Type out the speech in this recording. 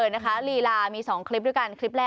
หันมามองกล้องด้วยนะจ๊ะ